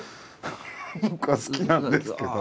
僕は好きなんですけど。